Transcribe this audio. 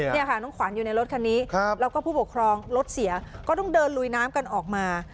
นี่ค่ะน้องขวัญอยู่ในรถคันนี้แล้วก็ผู้ปกครองรถเสียก็ต้องเดินลุยน้ำกันออกมา